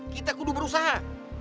kita kudu berusaha